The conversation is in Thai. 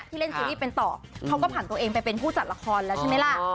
เล่นซีรีส์เป็นต่อเขาก็ผ่านตัวเองไปเป็นผู้จัดละครแล้วใช่ไหมล่ะ